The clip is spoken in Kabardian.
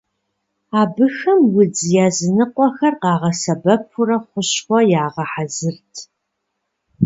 Абыхэм удз языныкъуэхэр къагъэсэбэпурэ хущхъуэ ягъэхьэзырт.